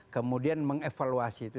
kemudian mengevaluasi itu